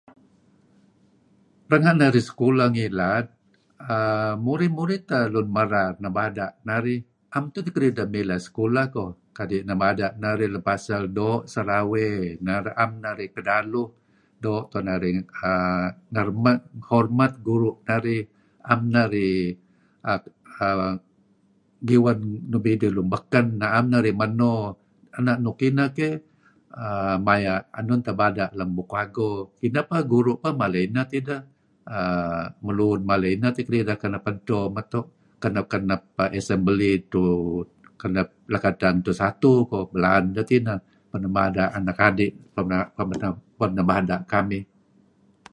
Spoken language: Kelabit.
Renga' narih sekulah ngilad err murih murih teh lun merar nebada' narih, 'am tun teh kedideh mileh sekulah ko kadi' nabada' naru' doo' serawey, na'em narih kedaluh, doo' tu'en narih hormat guru' narih, 'am narih giwen err nuk midih lun beken, na'em narih meno. Ena' nuk ineh keh maya'enun tebada' lem bukuh ago , Guru' peh mala ineh ideh, meluun mala ineh tideh kenep edto meto kenep-kenep assembly edto lekedtang edto satu ko' belaan deh tineh peh nebada' kamih,